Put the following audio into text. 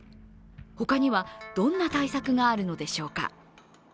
他には、どんな対策があるのでしょうか。